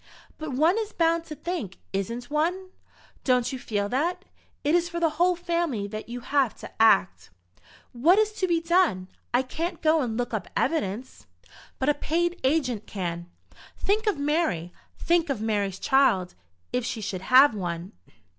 "But one is bound to think, isn't one? Don't you feel that? It is for the whole family that you have to act." "What is to be done? I can't go and look up evidence." "But a paid agent can. Think of Mary. Think of Mary's child, if she should have one."